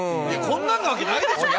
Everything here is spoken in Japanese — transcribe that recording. こんなんなわけないでしょ！